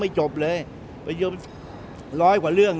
บางคนบอกเองให้ภาคกรรมศาสตร์ได้ความเห็นได้